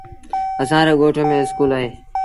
اسآݩ ري ڳوٺ ميݩ اسڪول اهي۔